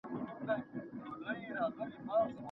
ايا انسان له بل انسان سره تبادله کيدای سي؟